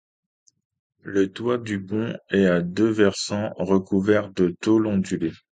Le toit du pont est à deux versants recouverts de tôle ondulée.